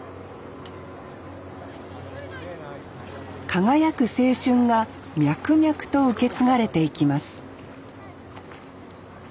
輝く青春が脈々と受け継がれていきます